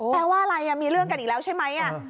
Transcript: แปลว่าอะไรมีเรื่องกันอีกแล้วใช่ไหม